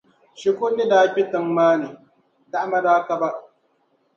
Shikuru ni daa kpe tiŋa maa ni, dahima daa ka ba.